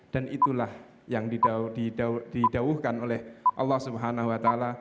dan itulah yang didawuhkan oleh allah swt